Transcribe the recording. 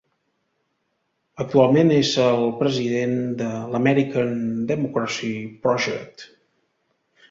Actualment és el president de l'American Democracy Project.